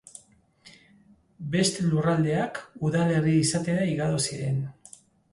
Beste lurraldeak udalerri izatera igaro ziren.